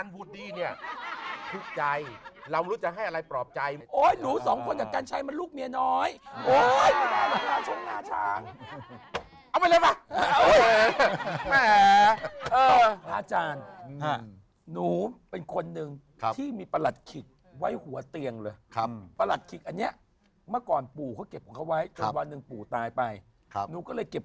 เพราะวูดดี้เขาเป็นคนเรารู้ว่าเขาไฝหาแบบนี้มานานแล้ว